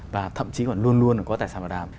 và thậm chí còn luôn luôn có tài sản bảo đảm